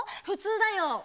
普通だよ」。